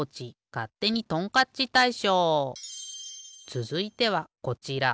つづいてはこちら。